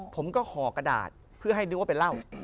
ผมก็ห่อกระดาษเพื่อให้นึกว่าเป็นเหล้า